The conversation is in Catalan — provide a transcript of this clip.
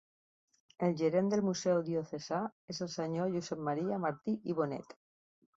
El gerent del Museu Diocesà és el senyor Josep Maria Martí i Bonet.